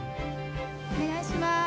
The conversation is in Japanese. お願いします。